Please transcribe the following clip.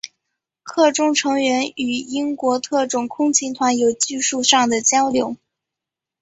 课中成员与英国特种空勤团有技术上的交流。